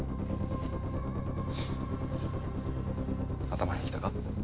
頭にきたか？